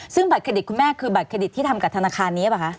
ซึ่งบัตรเครดิตคุณแม่คือบัตรเครดิตที่ทำกับธนาคารนี้หรือเปล่าคะ